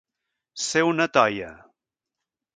Ser una toia.